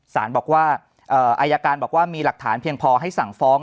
สารบอกว่าอายการบอกว่ามีหลักฐานเพียงพอให้สั่งฟ้อง